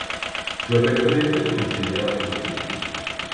Su efecto neto se considera bactericida.